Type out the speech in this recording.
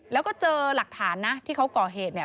แล้วก็เจอหลักฐานนะที่เขาก่อเหตุเนี่ย